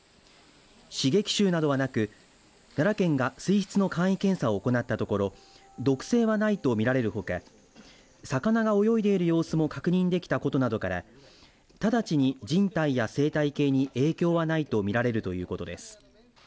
刺激臭などはなく奈良県が水質の簡易検査を行ったところ毒性はないと見られるほか魚が泳いでいる様子も確認できたことなどから直ちに人体や生態系に影響はないと見られるということです。